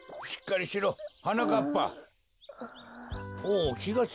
おきがついたか。